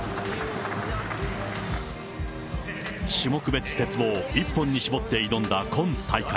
種目別鉄棒一本に絞って挑んだ今大会。